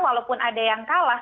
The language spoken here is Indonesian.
walaupun ada yang kalah